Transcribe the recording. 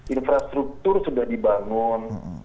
infrastruktur sudah dibangun